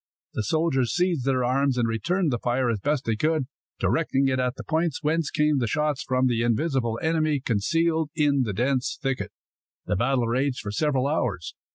The soldiers seized their arms, and returned the fire as best they could, directing it at the points whence came the shots from the invisible enemy, concealed in the dense thicket. The battle raged for several hours.